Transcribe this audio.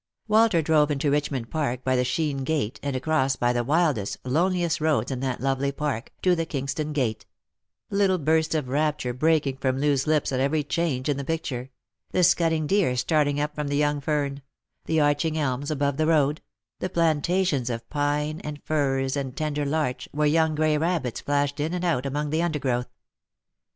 Walter drove into Richmond Park by the Sheen gate, and across, by the wildest, loneliest roads in that lovely park, to the Kings ton gate ; little bursts of rapture breaking from Loo's lips at every change in the picture — the scudding deer starting up from the young fern ; the arching elms above the road ; the planta tions of pine and firs and tender larch, where young gray rabbits flashed in and out among the undergrowth.